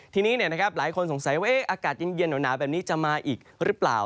ทีนี้หลายคนสงสัยว่าอากาศเย็นหนาวแบบนี้จะมาอีกหรือเปล่า